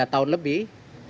tiga tahun lebih